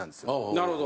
なるほど。